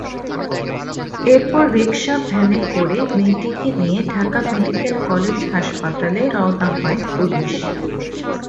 এরপর রিকশাভ্যানে করে মেয়েটিকে নিয়ে ঢাকা মেডিকেল কলেজ হাসপাতালে রওনা হয় পুলিশ।